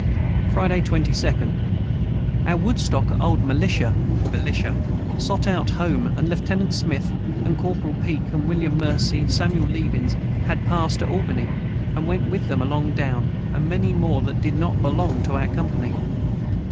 Friday 22nd. Our Woodstock Old melisha sot out home & Lieutenant Smith & Corperal Peak & William Mercy & Samuel Leavins had a pass to Albany and went with them along down and Many more that did not Belong to our Company.